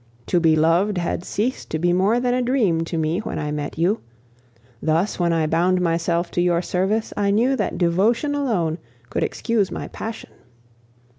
To be loved had ceased to be more than a dream to me when I met you. Thus when I bound myself to your service I knew that devotion alone could excuse my passion.